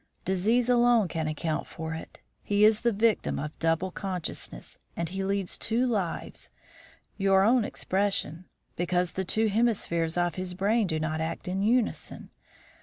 Disease alone can account for it. He is the victim of double consciousness, and he leads two lives your own expression because the two hemispheres of his brain do not act in unison.